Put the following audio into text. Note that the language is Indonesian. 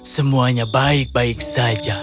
semuanya baik baik saja